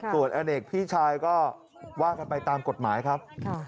ส่วนอเนกพี่ชายก็ว่ากันไปตามกฎหมายครับ